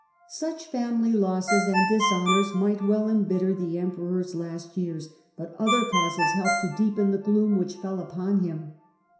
Such family losses and dishonours might well em bitter the Emperor's last years ; but other causes helped to deepen the gloom which fell upon him.